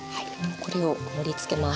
これを盛りつけます。